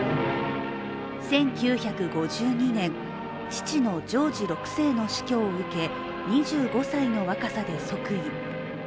１９５２年、父のジョージ六世の死去を受け２５歳の若さで即位。